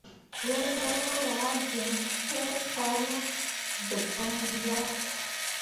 Wel mai mu ah bian iŋ kah ne ɓentǝǝri ah.